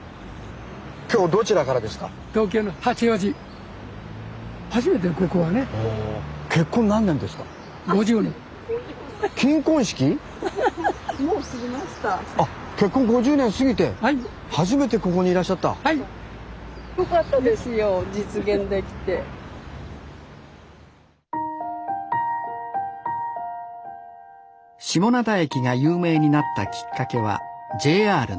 下灘駅が有名になったきっかけはＪＲのポスター。